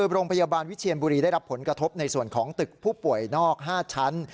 โรงพยาบาลวิเชียนบุรีได้รับผลกระทบในส่วนของตึกผู้ป่วยนอก๕ชั้น